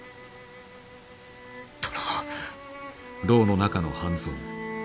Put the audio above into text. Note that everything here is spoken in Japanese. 殿。